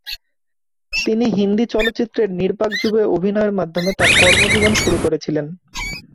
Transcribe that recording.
তিনি হিন্দি চলচ্চিত্রের নির্বাক যুগে অভিনয়ের মাধ্যমে তার কর্মজীবন শুরু করেছিলেন।